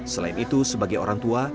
selain itu sebagai orang tua